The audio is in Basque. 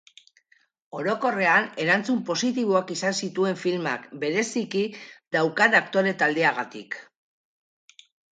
Orokorrean erantzun positiboak izan zituen filmak, bereziki daukan aktore taldeagatik.